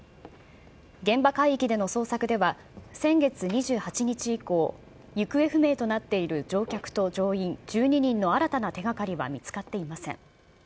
現場海域での捜索では、先月２８日以降、行方不明となっている乗客と乗員１２人の新たな手がかりは見つかっていません。